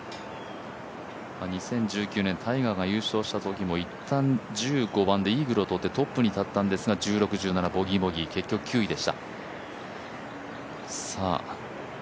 ２０１９年タイガーが優勝したときも一旦１５番でイーグルをとってトップに立ったんですが、１６、１７、ボギー、ボギー結局９位でした。